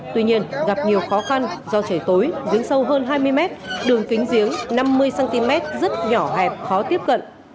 tuy nhiên gặp nhiều khó khăn do trời tối giếng sâu hơn hai mươi mét đường kính giếng năm mươi cm rất nhỏ hẹp khó tiếp cận